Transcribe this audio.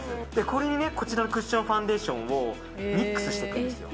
これにこちらのクッションファンデーションをミックスしていくんですよ。